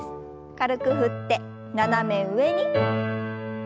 軽く振って斜め上に。